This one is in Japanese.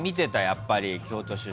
やっぱり京都出身だと。